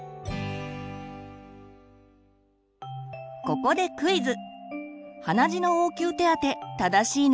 ここでクイズ。